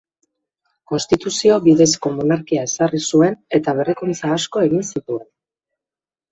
Konstituzio bidezko monarkia ezarri zuen eta berrikuntza asko egin zituen.